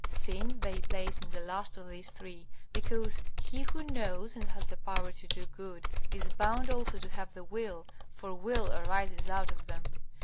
Sin they place in the last of these three, because he who knows and has the power to do good is bound also to have the will, for will arises out of them.